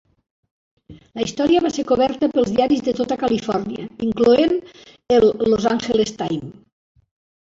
La història va ser coberta pels diaris de tota Califòrnia, incloent el "Los Angeles Times".